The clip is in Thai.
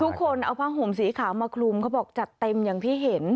ทุกคนเอาผ้าห่มสีขาวมาคลุมเขาบอกจัดเต็มอย่างที่เห็น